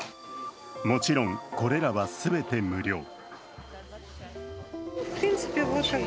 もちろんこれらは全て無料。